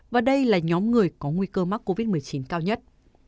và đây là nhóm người có nguy cơ mắc covid một mươi chín cao nhất